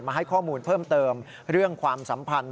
ให้ข้อมูลเพิ่มเติมเรื่องความสัมพันธ์